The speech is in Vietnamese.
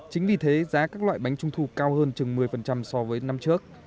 chính vì thế giá các loại bánh trung thu cao hơn chừng một mươi so với năm trước